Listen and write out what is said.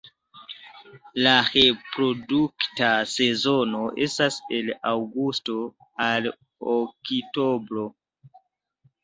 La reprodukta sezono estas el aŭgusto al oktobro.